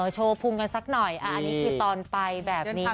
อ๋อโชวพุงกันสักหน่อยอันนี้คือตอนไปแบบนี้นะคะ